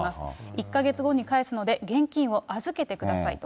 １か月後に返すので、現金を預けてくださいと。